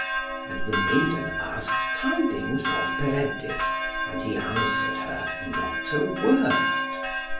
And the maiden asked tidings of Peredur, and he answered her not a word.